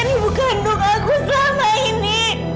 ini ibu kandung aku selama ini